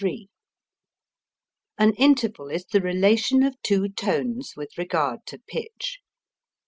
An interval is the relation of two tones with regard to pitch.